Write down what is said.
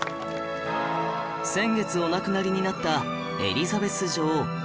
先月お亡くなりになったエリザベス女王